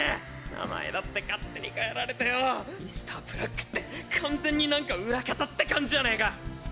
名前だって勝手に変えられてよぉ「Ｍｒ．ブラック」って完全に何か裏方って感じじゃねえか！